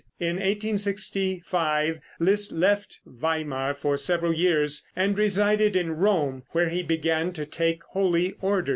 In 1865 Liszt left Weimar for several years, and resided in Rome, where he began to take holy orders.